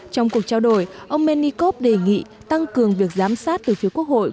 trong cuộc trao đổi ông menikov đề nghị tăng cường việc giám sát từ phía quốc hội